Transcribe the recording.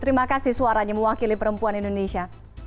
terima kasih suaranya mewakili perempuan indonesia